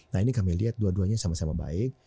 nah ini kami lihat dua duanya sama sama baik